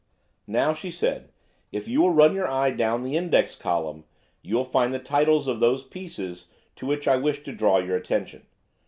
"Now," she said, "if you will run your eye down the index column you will find the titles of those pieces to which I wish to draw your attention.